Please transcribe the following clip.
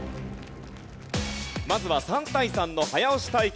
まずは３対３の早押し対決。